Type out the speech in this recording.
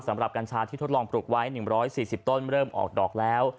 สำหรับกัญชาที่ทดลองปลูกไว้หนึ่งร้อยสี่สิบต้นเริ่มออกดอกแล้ว